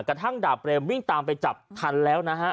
กระทั่งดาบเบรมวิ่งตามไปจับทันแล้วนะฮะ